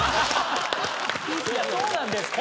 いやそうなんですか？